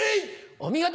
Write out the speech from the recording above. お見事。